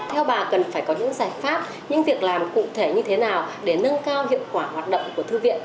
theo bà cần phải có những giải pháp những việc làm cụ thể như thế nào để nâng cao hiệu quả hoạt động của thư viện